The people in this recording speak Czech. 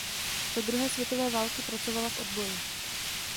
Za druhé světové války pracovala v odboji.